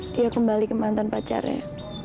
dia kembali ke mantan pacarnya